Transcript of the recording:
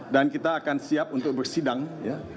dan kita akan siap untuk bersidang ya